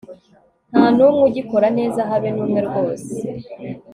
nta n'umwe ugikora neza, habe n'umwe rwose